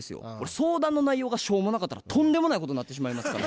相談の内容がしょうもなかったらとんでもないことになってしまいますから。